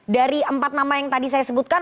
dari empat nama yang tadi saya sebutkan